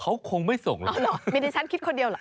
เขาคงไม่ส่งหรอกอ๋อเหรอมีดิฉันคิดคนเดียวเหรอ